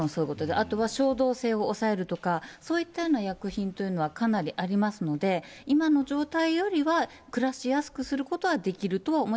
あとは衝動性を抑えるとか、そういったような薬品というのはかなりありますので、今の状態よりは暮らしやすくすることはできるとは思う。